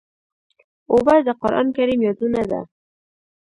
اوبه د قرآن کریم یادونه ده.